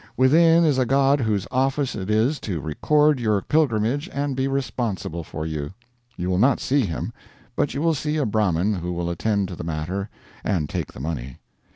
Within is a god whose office it is to record your pilgrimage and be responsible for you. You will not see him, but you will see a Brahmin who will attend to the matter and take the money.